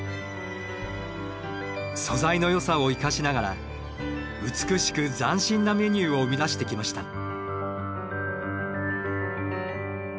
素材のよさを生かしながら美しく斬新なメニューを生み出してきました。